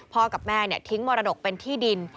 กับแม่ทิ้งมรดกเป็นที่ดิน